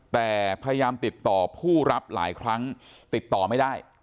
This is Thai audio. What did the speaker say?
แต่พยายามติดต่อผู้รับหลายครั้งติดต่อไม่ได้